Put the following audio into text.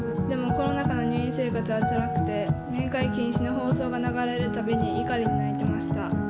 でもコロナ禍の入院生活はつらくて面会禁止の放送が流れる度に怒りに泣いてました。